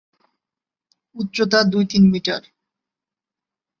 উচ্চতা দুই-তিন মিটার।